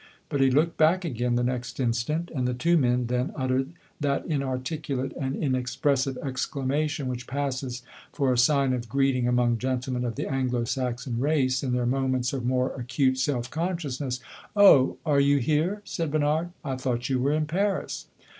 But he looked back again the next instant, and the two men then uttered that inarticulate and inexpressive exclamation which passes for a sign of greeting among gentlemen of the Anglo Saxon race, in their moments of more acute self consciousness. "Oh, are you here?" said Bernard. "I thought you were in Paris."